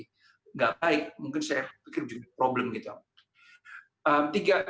tidak baik mungkin saya akan mempunyai masalah